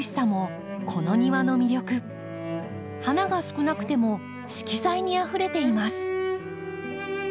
花が少なくても色彩にあふれています。